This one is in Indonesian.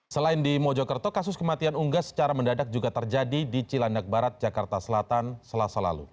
selain di mojokerto kasus kematian unggas secara mendadak juga terjadi di cilandak barat jakarta selatan selasa lalu